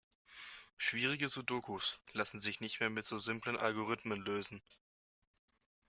Schwierige Sudokus lassen sich nicht mehr mit so simplen Algorithmen lösen.